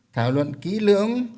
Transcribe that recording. thảo luận kỹ lưỡng